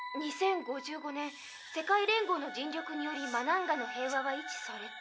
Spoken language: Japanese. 「２０５５年世界連合のじん力によりマナンガの平和は維持された。